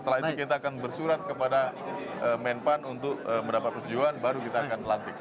setelah itu kita akan bersurat kepada menpan untuk mendapatkan tujuan baru kita akan melatih